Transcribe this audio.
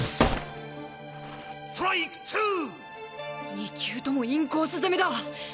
２球ともインコース攻めだ！